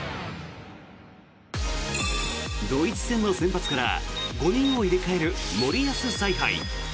ドイツ戦の先発から５人を入れ替える森保采配。